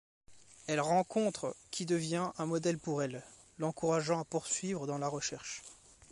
Elle rencontre qui devient un modèle pour elle, l'encourageant à poursuivre dans la recherche.